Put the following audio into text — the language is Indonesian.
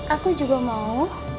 aku juga mau